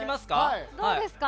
どうですか？